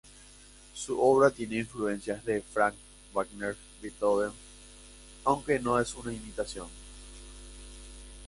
Su obra tiene influencias de Franck, Wagner y Beethoven, aunque no es una imitación.